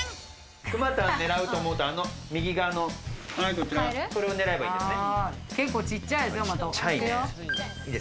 クマたんを狙おうと思うと、右側のカエルを狙えばいいんですね。